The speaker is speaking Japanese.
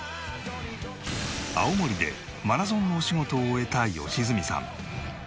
青森でマラソンのお仕事を終えた良純さん。